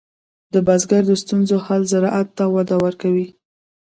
د بزګر د ستونزو حل زراعت ته وده ورکوي.